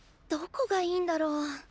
どこがいいんだろう。